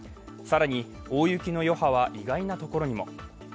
更に大雪の余波は意外なところにも。